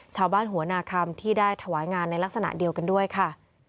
ชาวบ้านหัวนาคมที่ได้ถวายงานในลักษณะเดียวกันด้วยค่ะ